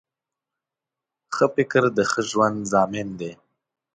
ښه فکر د ښه ژوند ضامن دی